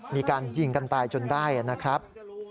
มีการยิงกันตายจนได้นะครับ